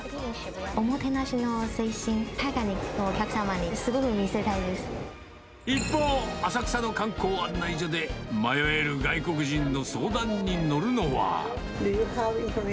おもてなしの精神、海外のお一方、浅草の観光案内所で、迷える外国人の相談に乗るのは。